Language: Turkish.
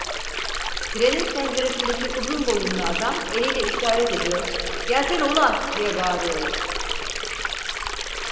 Trenin penceresindeki uzun boyunlu adam eliyle işaret ediyor: "Gelsene ulan!" diye bağırıyordu.